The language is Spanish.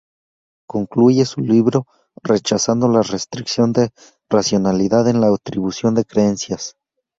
Concluye su libro rechazando la restricción de racionalidad en la atribución de creencias.